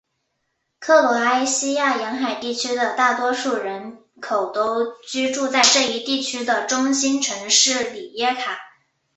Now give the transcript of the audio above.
克罗埃西亚沿海地区的大多数人口都居住在这一地区的中心城市里耶卡。